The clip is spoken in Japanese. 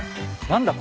何だ？